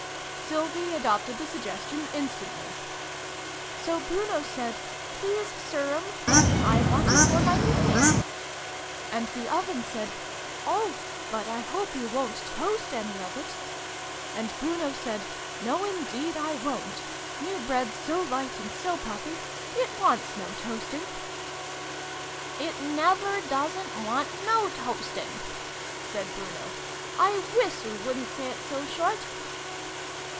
Sylvie adopted the suggestion instantly. " So Bruno said ' Please, Sirm, I want it for my Picnic.' And the Oven said 'O! But I hope you wo'n't toast any of it ?' And Bruno said ' No, indeed I wo'n't ! New Bread's so light and so puffy, it wants no toasting !'" It never doesn't want no toasting," said Bruno. " I wiss oo wouldn't say it so short!